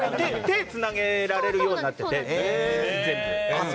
手をつなげられるようになってて全部。